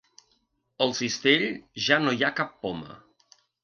Al cistell ja no hi ha cap poma.